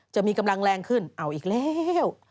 จะมีกำลังแรงขึ้นเอาอีกแล้ว